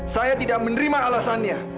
saya tidak menerima alasannya